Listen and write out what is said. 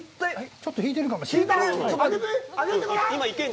ちょっと引いてるかもしれない。